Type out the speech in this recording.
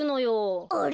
あれ？